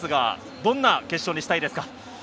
どんな決勝にしたいですか？